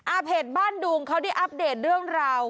เพจบ้านดุงเขาได้อัปเดตเรื่องราว